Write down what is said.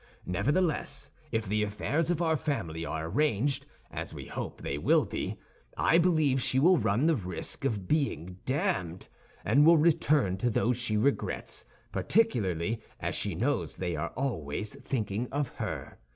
Nevertheless, if the affairs of our family are arranged, as we hope they will be, I believe she will run the risk of being damned, and will return to those she regrets, particularly as she knows they are always thinking of her.